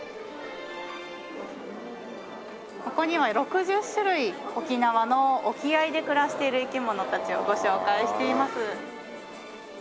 ここには６０種類沖縄の沖合で暮らしている生き物たちをご紹介しています。